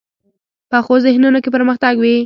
پخو ذهنونو کې پرمختګ وي